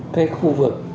cái khu vực